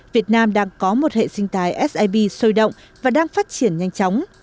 việt nam đang có một hệ sinh tài sip sôi động và đang phát triển nhanh chóng